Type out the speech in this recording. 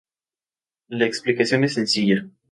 La explicación es sencilla.